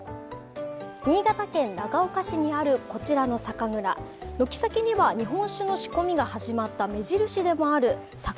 新潟県長岡市にあるこちらの酒蔵、軒先には日本酒の仕込みが始まった目印でもある酒